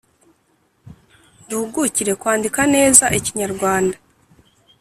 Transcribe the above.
Duhugukire kwandika neza Ikinyarwanda